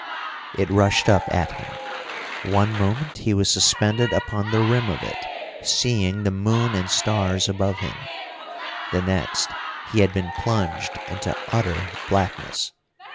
It rushed up at him. One moment he was suspended upon the rim of it, seeing the moon and stars above him; the next he had been plunged into utter blackness.